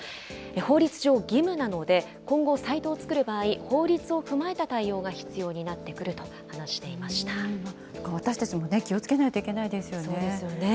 法律上、義務なので、今後サイトを作る場合、法律を踏まえた対応が必要になってくると話していま私たちもね、気をつけないとそうですよね。